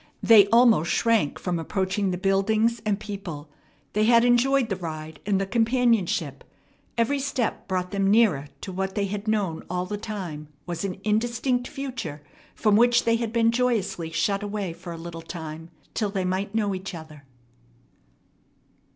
They almost shrank from approaching the buildings and people. They had enjoyed the ride and the companionship. Every step brought them nearer to what they had known all the time was an indistinct future from which they had been joyously shut away for a little time till they might know each other.